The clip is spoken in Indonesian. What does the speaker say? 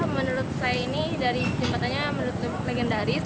menurut saya ini dari jembatannya menurut legendaris